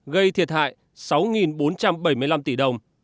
gây thiệt hại sáu bốn trăm bảy mươi năm tỷ đồng